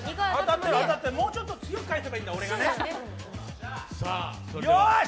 もうちょっと強く返せばいいんだ、俺がね。よーし！